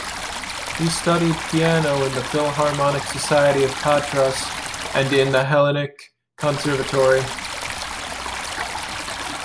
He studied piano in the Philharmonic Society of Patras and in the Hellenic Conservatory.